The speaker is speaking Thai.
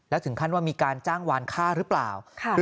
แล้วถึงขั้นว่ามีการจ้างวานค่าหรือเปล่า